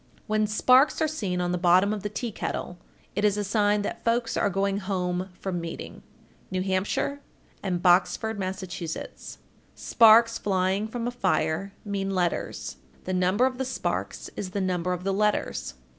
When sparks are seen on the bottom of the tea kettle, it is a sign that folks are going home from meeting. New Hampshire and Boxford, Mass. 1460. Sparks flying from a fire mean letters; the number of the sparks is the number of the letters.